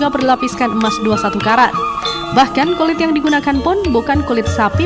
bahkan kulit yang digunakan pun bukan kulit sapi